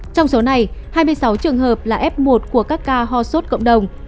trong số này hai mươi sáu trường hợp là f một của các ca ho sốt cộng đồng